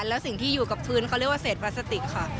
แล้วสิ่งที่อยู่กับพื้นเขาเรียกว่าเศษพลาสติกค่ะ